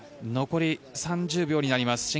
残り３０秒になります